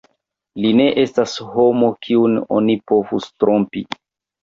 Li ne estas homo, kiun oni povus trompi.